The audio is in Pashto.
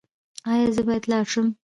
ایا زه باید لاړ شم؟